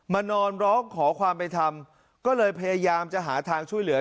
นอนร้องขอความเป็นธรรมก็เลยพยายามจะหาทางช่วยเหลือ